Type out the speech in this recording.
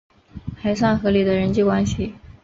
还算合理的人际关系